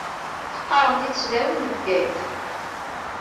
Teqqaṛem di tesdawit n Bgayet.